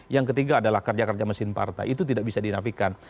yang ketiga adalah kerja kerja mesin partai itu tidak bisa dinafikan